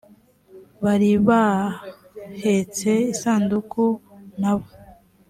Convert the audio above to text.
bari bahetse isanduku nabo